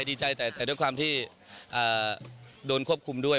ดีใจแต่ด้วยความที่โดนควบคุมด้วย